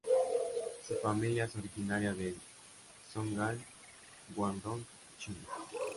Su familia es originaria de Zhongshan, Guangdong, China.